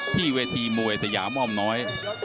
ที่เวทีมวยสยามอ้อมน้อย